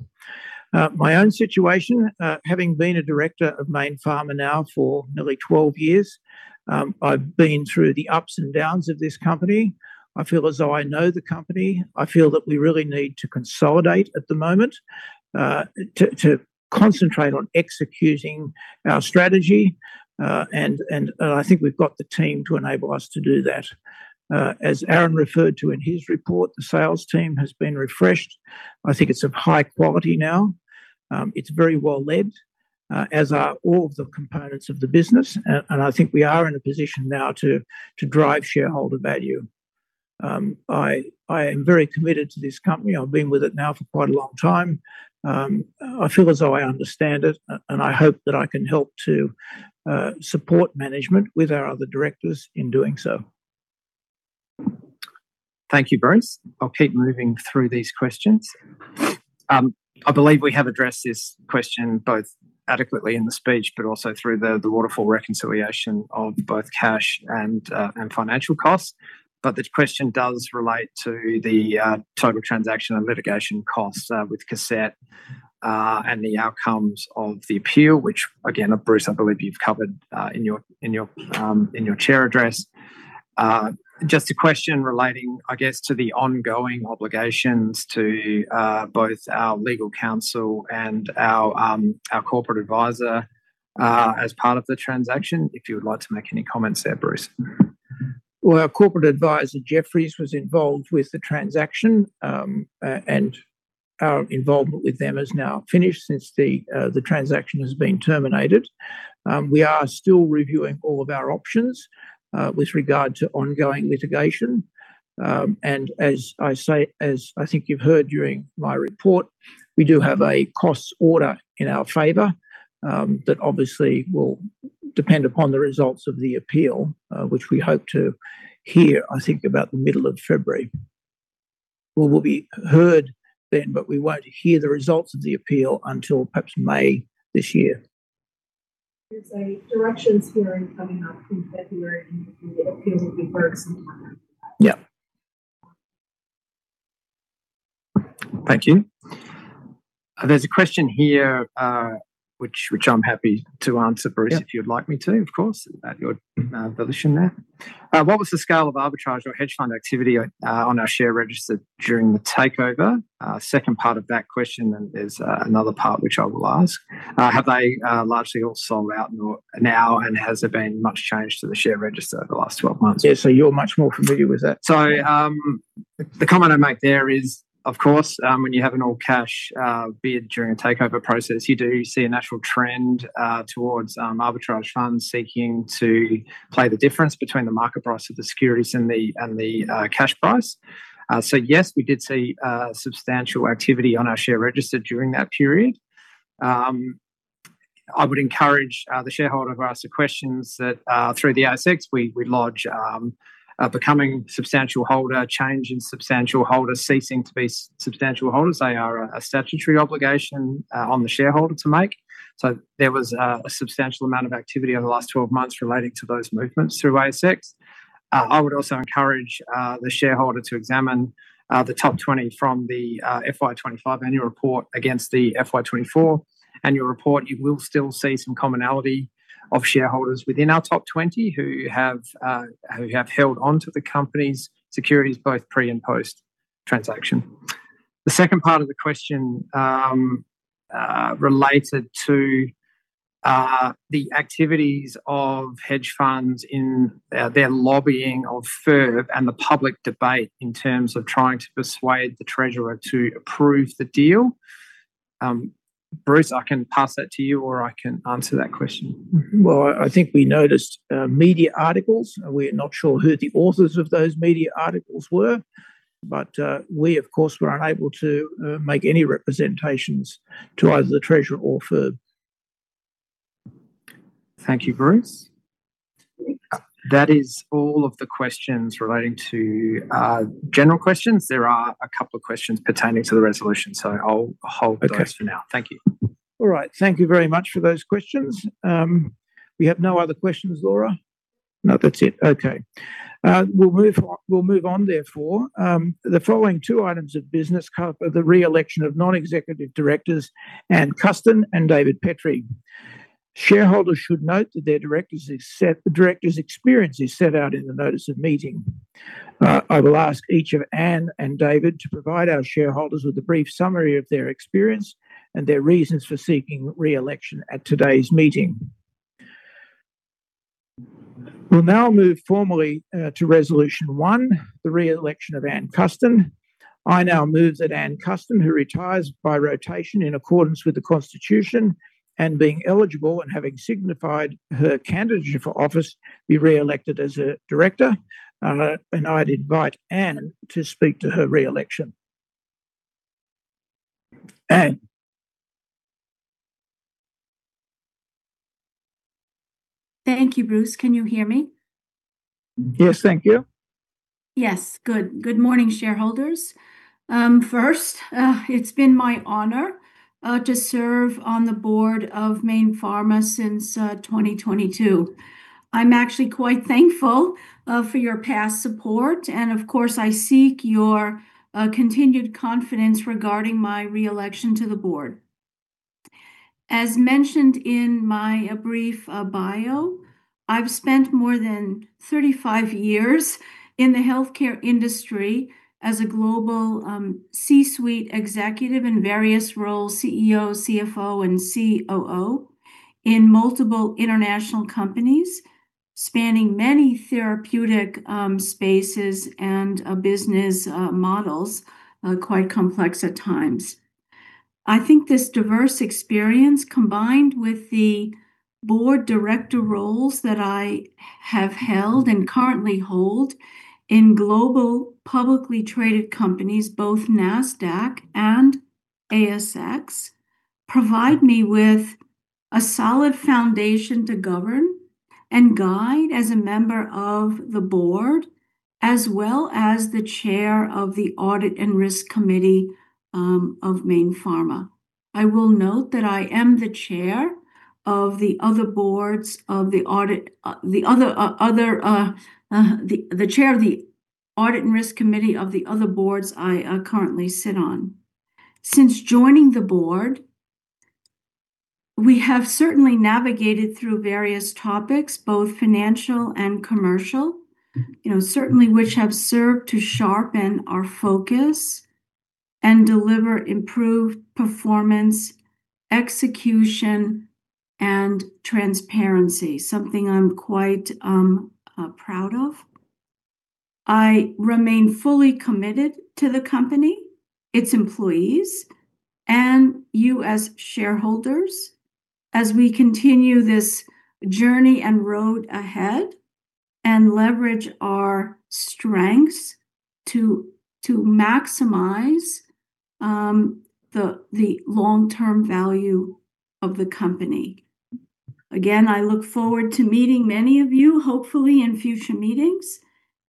My own situation, having been a Director of Mayne Pharma now for nearly 12 years, I've been through the ups and downs of this company. I feel as though I know the company. I feel that we really need to consolidate at the moment, to concentrate on executing our strategy, and I think we've got the team to enable us to do that. As Aaron referred to in his report, the sales team has been refreshed. I think it's of high quality now. It's very well led, as are all of the components of the business. And I think we are in a position now to drive shareholder value. I am very committed to this company. I've been with it now for quite a long time. I feel as though I understand it, and I hope that I can help to support management with our other directors in doing so. Thank you, Bruce. I'll keep moving through these questions. I believe we have addressed this question both adequately in the speech, but also through the waterfall reconciliation of both cash and financial costs. But the question does relate to the total transaction and litigation costs with Cosette and the outcomes of the appeal, which again, Bruce, I believe you've covered in your Chair address. Just a question relating, I guess, to the ongoing obligations to both our legal counsel and our Corporate Advisor as part of the transaction, if you would like to make any comments there, Bruce. Well, our Corporate Advisor, Jefferies, was involved with the transaction, and our involvement with them is now finished since the transaction has been terminated. We are still reviewing all of our options, with regard to ongoing litigation. And as I say, as I think you've heard during my report, we do have a costs order in our favor, that obviously will depend upon the results of the appeal, which we hope to hear, I think, about the middle of February. Well, we'll be heard then, but we won't hear the results of the appeal until perhaps May this year. There's a directions hearing coming up in February, and the appeals will be heard sometime after that. Yeah. Thank you. There's a question here, which I'm happy to answer, Bruce- Yeah If you'd like me to, of course, at your volition there. What was the scale of arbitrage or hedge fund activity on our share register during the takeover? Second part of that question, and there's another part which I will ask. Have they largely all sold out now, and has there been much change to the share register over the last 12 months? Yeah, so you're much more familiar with that. So, the comment I make there is, of course, when you have an all-cash bid during a takeover process, you do see a natural trend towards arbitrage funds seeking to play the difference between the market price of the securities and the cash price. So yes, we did see substantial activity on our share register during that period. I would encourage the shareholder who asked the questions that through the ASX, we lodge becoming substantial holder, change in substantial holder, ceasing to be substantial holders. They are a statutory obligation on the shareholder to make. So there was a substantial amount of activity over the last 12 months relating to those movements through ASX. I would also encourage the shareholder to examine the top 20 from the FY 2025 annual report against the FY 2024 annual report. You will still see some commonality of shareholders within our top 20 who have who have held on to the company's securities, both pre and post-transaction. The second part of the question related to the activities of hedge funds in their lobbying of FIRB and the public debate in terms of trying to persuade the Treasurer to approve the deal. Bruce, I can pass that to you, or I can answer that question. Well, I think we noticed media articles. We're not sure who the authors of those media articles were, but, of course, we were unable to make any representations to either the Treasurer or FIRB. Thank you, Bruce. That is all of the questions relating to general questions. There are a couple of questions pertaining to the resolution, so I'll hold those for now. Okay. Thank you. All right. Thank you very much for those questions. We have no other questions, Laura? No, that's it. Okay. We'll move on, we'll move on, therefore. The following two items of business cover the re-election of Non-Executive Directors, Ann Custin and David Petrie. Shareholders should note that the directors' experience is set out in the notice of meeting. I will ask each of Ann and David to provide our shareholders with a brief summary of their experience and their reasons for seeking re-election at today's meeting. We'll now move formally to Resolution 1, the re-election of Ann Custin. I now move that Ann Custin, who retires by rotation in accordance with the Constitution, and being eligible and having signified her candidacy for office, be re-elected as a Director, and I'd invite Ann to speak to her re-election. Ann? Thank you, Bruce. Can you hear me? Yes, thank you. Yes, good. Good morning, shareholders. First, it's been my honor to serve on the Board of Mayne Pharma since 2022. I'm actually quite thankful for your past support, and of course, I seek your continued confidence regarding my re-election to the Board. As mentioned in my brief bio, I've spent more than 35 years in the healthcare industry as a global C-suite executive in various roles, CEO, CFO, and COO, in multiple international companies. Spanning many therapeutic spaces and business models, quite complex at times. I think this diverse experience, combined with the Board Director roles that I have held and currently hold in global publicly traded companies, both NASDAQ and ASX, provide me with a solid foundation to govern and guide as a member of the Board, as well as the Chair of the Audit and Risk Committee of Mayne Pharma. I will note that I am the Chair of the other Boards, of the audit, the other, the Chair of the Audit and Risk Committee of the other Boards I currently sit on. Since joining the Board, we have certainly navigated through various topics, both financial and commercial, you know, certainly which have served to sharpen our focus and deliver improved performance, execution, and transparency, something I'm quite proud of. I remain fully committed to the company, its employees, and you as shareholders, as we continue this journey and road ahead, and leverage our strengths to maximize the long-term value of the company. Again, I look forward to meeting many of you, hopefully in future meetings,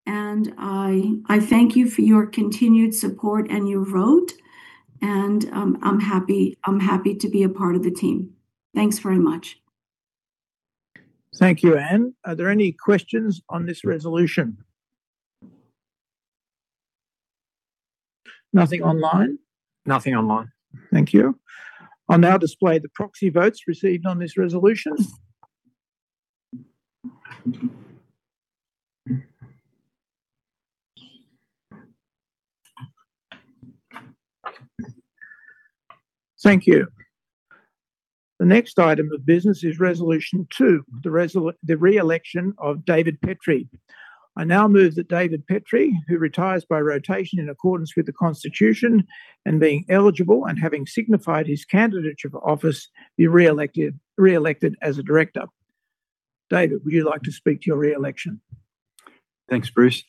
and I thank you for your continued support and your vote, and I'm happy to be a part of the team. Thanks very much. Thank you, Ann. Are there any questions on this resolution? Nothing online? Nothing online. Thank you. I'll now display the proxy votes received on this Resolution. Thank you. The next item of business is Resolution 2, the re-election of David Petrie. I now move that David Petrie, who retires by rotation in accordance with the Constitution, and being eligible and having signified his candidature for office, be re-elected as a Director. David, would you like to speak to your re-election? Thanks, Bruce.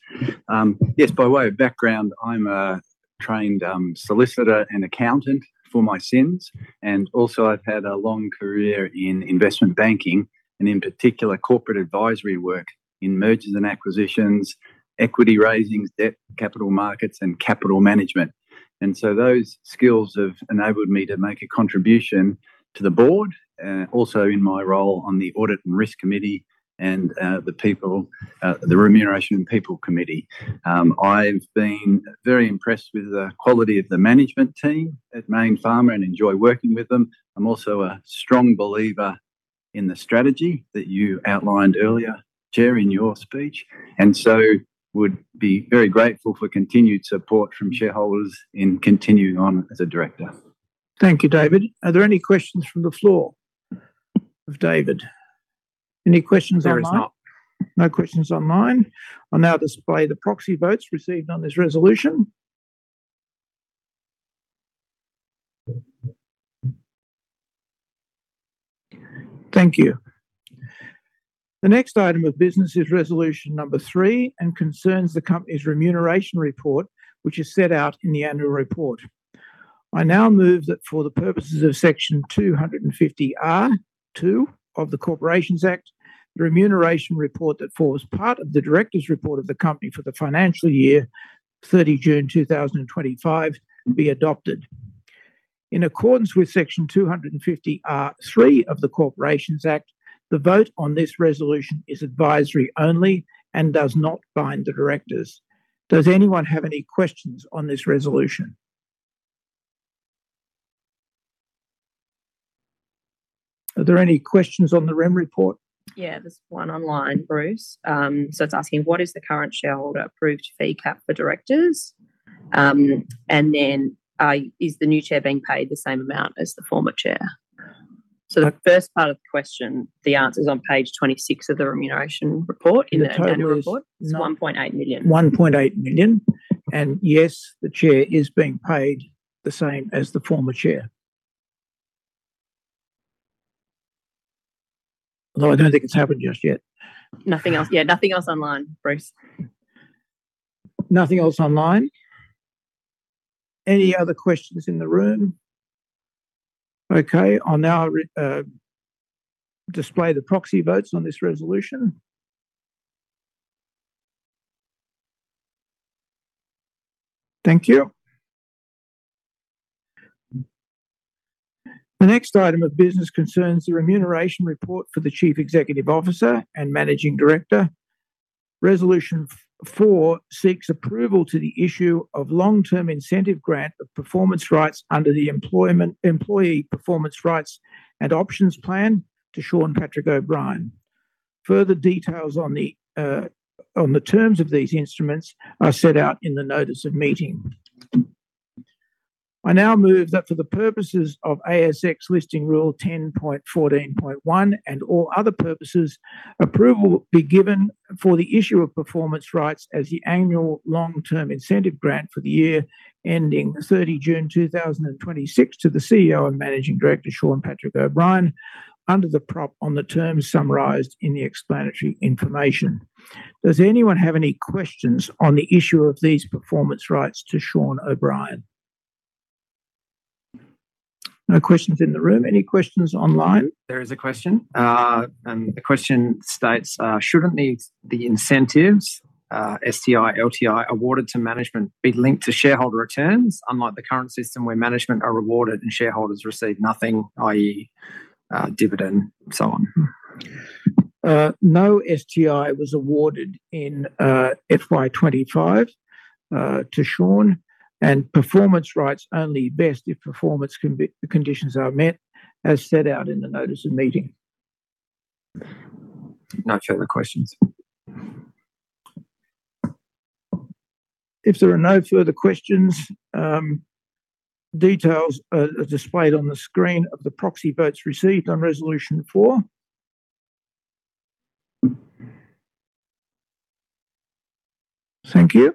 Yes, by way of background, I'm a trained solicitor and accountant for my sins, and also I've had a long career in investment banking and, in particular, corporate advisory work in mergers and acquisitions, equity raisings, debt, capital markets, and capital management. And so, those skills have enabled me to make a contribution to the Board, also in my role on the Audit and Risk Committee, and the People, the Remuneration and People Committee. I've been very impressed with the quality of the management team at Mayne Pharma, and enjoy working with them. I'm also a strong believer in the strategy that you outlined earlier, Chair, in your speech, and so would be very grateful for continued support from shareholders in continuing on as a director. Thank you, David. Are there any questions from the floor for David? Any questions online? There is not. No questions online. I'll now display the proxy votes received on this resolution. Thank you. The next item of business is Resolution Number 3, and concerns the company's remuneration report, which is set out in the annual report. I now move that for the purposes of Section 250R(2) of the Corporations Act, the remuneration report that forms part of the directors' report of the company for the financial year, 30 June 2025, be adopted. In accordance with Section 250R(3) of the Corporations Act, the vote on this resolution is advisory only and does not bind the Directors. Does anyone have any questions on this resolution? Are there any questions on the rem report? Yeah, there's one online, Bruce. So it's asking: What is the current shareholder-approved fee cap for directors? And then: Is the new chair being paid the same amount as the former chair? So the first part of the question, the answer is on page 26 of the remuneration report, in the annual report. The total is- 1.8 million. 1.8 million, and yes, the chair is being paid the same as the former chair. Although I don't think it's happened just yet. Nothing else. Yeah, nothing else online, Bruce. Nothing else online? Any other questions in the room? Okay, I'll now re-display the proxy votes on this resolution. Thank you. The next item of business concerns the remuneration report for the Chief Executive Officer and Managing Director. Resolution Four seeks approval to the issue of long-term incentive grant of performance rights under the Employee Performance Rights and Options Plan to Shawn Patrick O'Brien. Further details on the terms of these instruments are set out in the notice of meeting. I now move that for the purposes of ASX Listing Rule 10.14.1 and all other purposes, approval be given for the issue of performance rights as the annual long-term incentive grant for the year ending 30 June 2026 to the CEO and Managing Director, Shawn Patrick O'Brien, under the plan on the terms summarized in the explanatory information. Does anyone have any questions on the issue of these performance rights to Shawn O'Brien? No questions in the room. Any questions online? There is a question, and the question states: Shouldn't the, the incentives, STI, LTI, awarded to management be linked to shareholder returns, unlike the current system, where management are rewarded and shareholders receive nothing, i.e., dividend, and so on? No STI was awarded in FY 2025 to Shawn, and performance rights only vest if performance conditions are met, as set out in the notice of meeting. No further questions. If there are no further questions, details are displayed on the screen of the proxy votes received on Resolution 4. Thank you.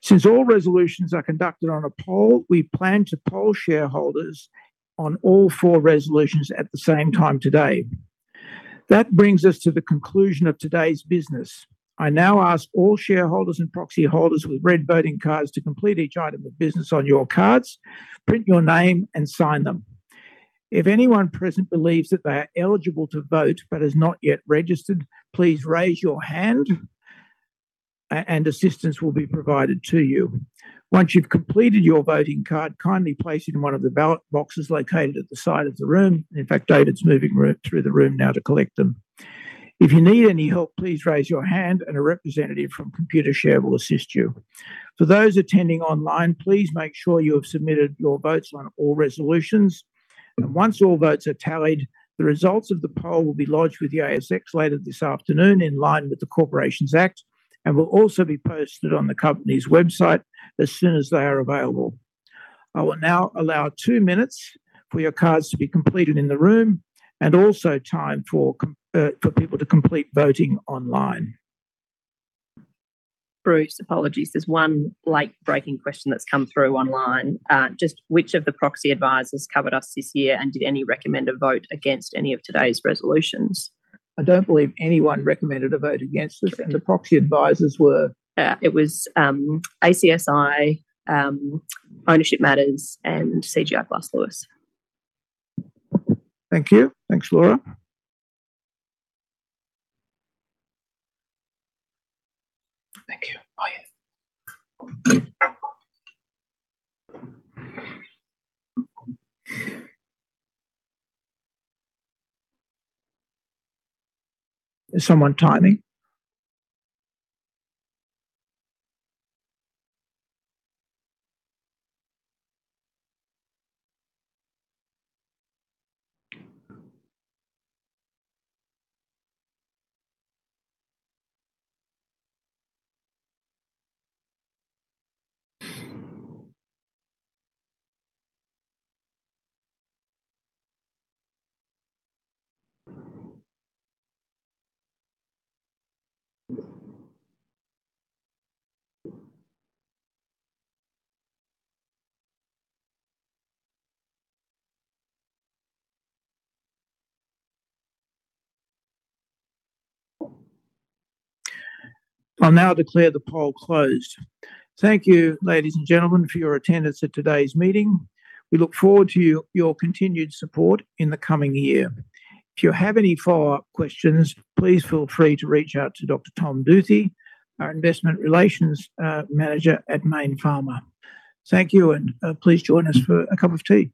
Since all resolutions are conducted on a poll, we plan to poll shareholders on all four resolutions at the same time today. That brings us to the conclusion of today's business. I now ask all shareholders and proxy holders with red voting cards to complete each item of business on your cards, print your name, and sign them. If anyone present believes that they are eligible to vote but has not yet registered, please raise your hand, and assistance will be provided to you. Once you've completed your voting card, kindly place it in one of the ballot boxes located at the side of the room. In fact, David's moving around through the room now to collect them. If you need any help, please raise your hand, and a representative from Computershare will assist you. For those attending online, please make sure you have submitted your votes on all resolutions, and once all votes are tallied, the results of the poll will be lodged with the ASX later this afternoon, in line with the Corporations Act, and will also be posted on the company's website as soon as they are available. I will now allow two minutes for your cards to be completed in the room and also time for people to complete voting online. Bruce, apologies. There's one late-breaking question that's come through online. Just which of the proxy advisors covered us this year, and did any recommend a vote against any of today's resolutions? I don't believe anyone recommended a vote against us, and the proxy advisors were. It was ACSI, Ownership Matters, and CGI Glass Lewis. Thank you. Thanks, Laura. Is someone timing? I now declare the poll closed. Thank you, ladies and gentlemen, for your attendance at today's meeting. We look forward to your continued support in the coming year. If you have any follow-up questions, please feel free to reach out to Dr. Tom Duthy, our Investor Relations manager at Mayne Pharma. Thank you, and please join us for a cup of tea. Thank you.